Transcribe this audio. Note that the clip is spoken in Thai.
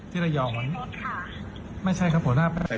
ที่ระยองไม่ใช่ครับหัวหน้า